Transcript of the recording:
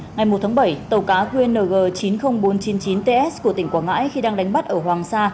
ngày một tháng bảy tàu cá qng chín mươi nghìn bốn trăm chín mươi chín ts của tỉnh quảng ngãi khi đang đánh bắt ở hoàng sa